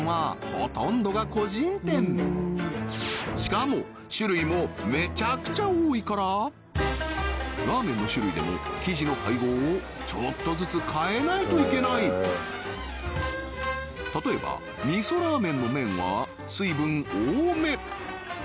しかも種類もめちゃくちゃ多いからラーメンの種類でも生地の配合をちょっとずつ変えないといけない例えばといった具合